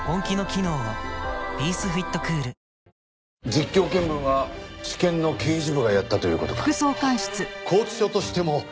実況見分は地検の刑事部がやったという事か。